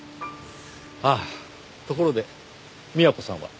ああところで美和子さんは？ああ。